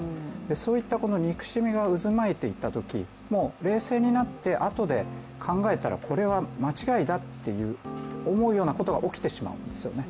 そういった憎しみが渦巻いていったとき冷静になって、あとで考えたらこれは間違いだと思うようなことが起きてしまうんですよね。